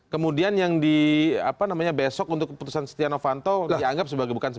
kemudian yang di apa namanya besok untuk keputusan setia novanto dianggap sebagai bukan